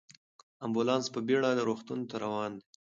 امبولانس په بیړه روغتون ته روان دی.